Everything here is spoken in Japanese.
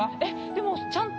でもちゃんと。